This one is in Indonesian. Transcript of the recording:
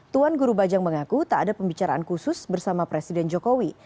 tuan guru bajang mengaku tak ada pembicaraan khusus bersama presiden jokowi